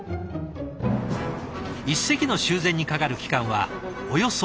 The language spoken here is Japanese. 一隻の修繕にかかる期間はおよそ１か月。